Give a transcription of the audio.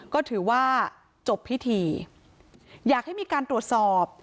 ก็ถือว่าจบพิธีอยากให้มีการตรวจสอบ